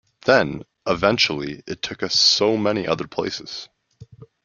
Then, eventually, it took us so many other places.